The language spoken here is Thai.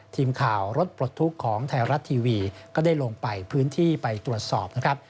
ทีมข่าวรถปลดทุกข์ของไทยรัฐทีวีก็ได้ลงไปพื้นที่ไปตรวจสอบนะครับ